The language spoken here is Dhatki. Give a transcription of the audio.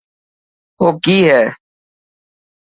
او ڪي هي.